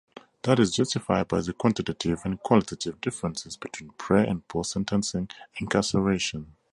That is justified by the quantitative and qualitative differences between pre-and post-sentencing incarceration.